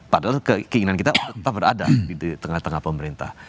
padahal keinginan kita berada di tengah tengah pemerintah